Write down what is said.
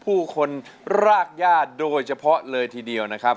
ผู้คนรากญาติโดยเฉพาะเลยทีเดียวนะครับ